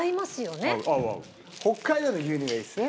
北海道の牛乳がいいですよね